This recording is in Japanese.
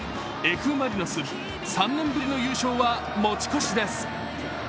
Ｆ・マリノス、３年ぶりの優勝は持ち越しです。